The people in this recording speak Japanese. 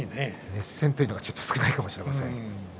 熱戦というのが少ないかもしれません。